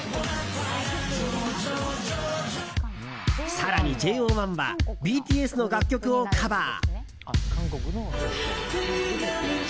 更に、ＪＯ１はＢＴＳの楽曲をカバー。